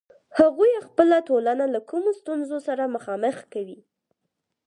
هغوی خپله ټولنه له کومو ستونزو سره مخامخ کوي.